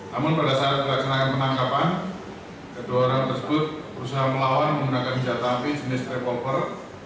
namun pada saat dilaksanakan penangkapan kedua orang tersebut berusaha melawan menggunakan senjata api jenis kriple